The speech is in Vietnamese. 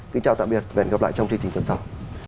kính chào tạm biệt và hẹn gặp lại trong chương trình tuần sau